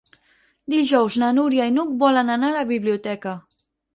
Dijous na Núria i n'Hug volen anar a la biblioteca.